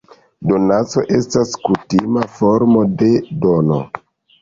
Donaco estas kutima formo de dono.